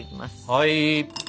はい。